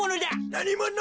なにもの？